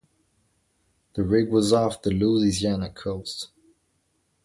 The rig was off the Louisiana coast.